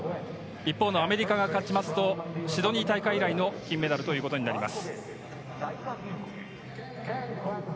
一方のアメリカが勝つと、シドニー大会以来の金メダルとなります。